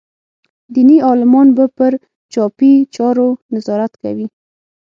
دیني عالمان به پر چاپي چارو نظارت کوي.